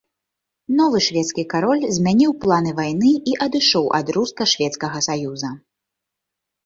Новы шведскі кароль змяніў планы вайны і адышоў ад руска-шведскага саюза.